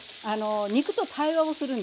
肉と対話をするんですよ。